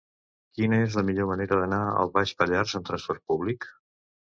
Quina és la millor manera d'anar a Baix Pallars amb trasport públic?